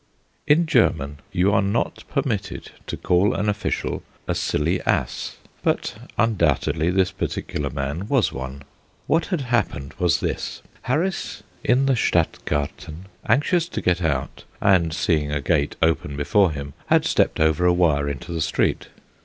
In German you are not permitted to call an official a "silly ass," but undoubtedly this particular man was one. What had happened was this: Harris in the Stadgarten, anxious to get out, and seeing a gate open before him, had stepped over a wire into the street.